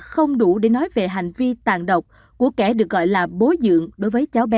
từ ác phải nói là không đủ để nói về hành vi tàn độc của kẻ được gọi là bố dưỡng đối với cháu bé